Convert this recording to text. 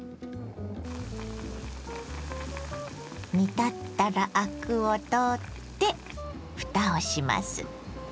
煮立ったらアクを取ってふたをします。